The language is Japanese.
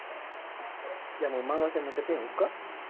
じゃあもう漫画家辞めてペン置くか？